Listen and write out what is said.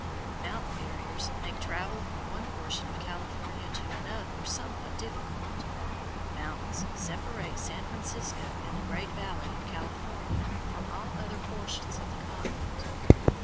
Mountain barriers make travel from one portion of California to another somewhat difficult. Mountains separate San Francisco and the Great Valley of California from all other portions of the continent.